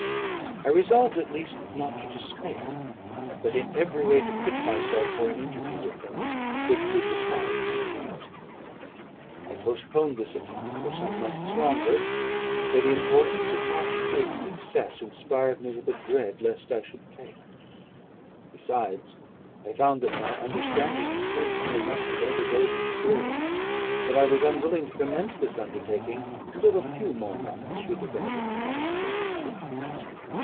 I resolved, at least, not to despair, but in every way to fit myself for an interview with them which would decide my fate. I postponed this attempt for some months longer; for the importance attached to its success inspired me with a dread lest I should fail. Besides, I found that my understanding improved so much with every day's experience, that I was unwilling to commence this undertaking until a few more months should have added to my sagacity.